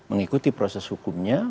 mau mengikuti proses hukumnya